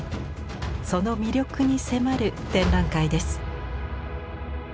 その魅力に迫る展覧会です。